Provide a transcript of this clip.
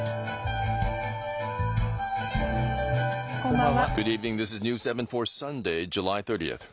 こんばんは。